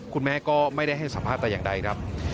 คุณแม่ก็ไม่ได้ให้สัมภาษณ์แต่อย่างใดครับ